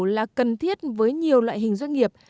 là cần thiết với nhiều loại hình doanh nghiệp